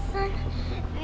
tidak ada yang tahu